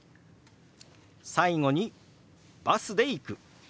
最後に「バスで行く」。